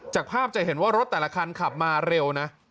จากภาพจะเห็นว่ารถแต่ละคันขับมาเร็วนะ